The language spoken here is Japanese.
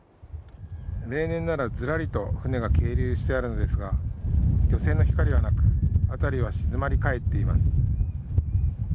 例年ならずらりと船が係留してあるのですが漁船の光はなく辺りは静まり返っています。